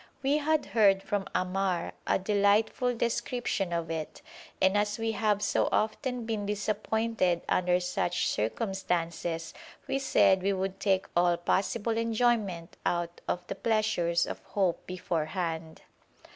We had heard from Ammar a delightful description of it, and as we have so often been disappointed under such circumstances we said we would take all possible enjoyment out of the pleasures of hope beforehand.